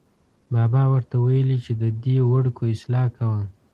بابا ور ته ویلې چې ددې وړکو اصلاح کوه.